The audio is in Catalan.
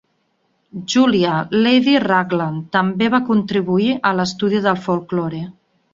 Julia, Lady Raglan, també va contribuir a l'estudi del folklore.